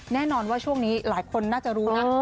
แน่นอนว่าช่วงนี้หลายคนน่าจะรู้นะ